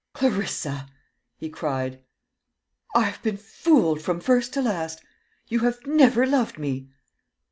"Clarissa," he cried, "I have been fooled from first to last you have never loved me!"